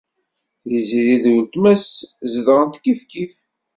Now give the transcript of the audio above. Tiziri d weltma-s zedɣent kifkif.